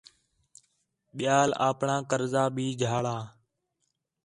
ٻِیال اپݨاں قرضہ بھی جھاڑا